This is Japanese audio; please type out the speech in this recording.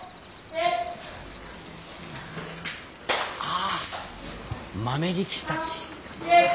あ豆力士たち。